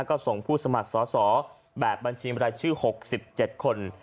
ก็ส่งผู้สมัครสอสอแบบบัญชีบรายชื่อ๖๗คน